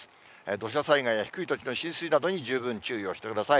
土砂災害や低い土地の浸水などに十分注意をしてください。